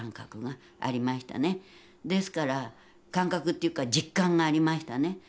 ですから感覚っていうか実感がありましたね。